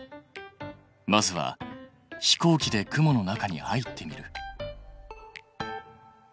まずは飛行機で雲の中に入ってみる。